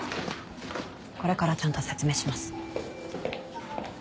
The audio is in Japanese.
これからちゃんと説明します。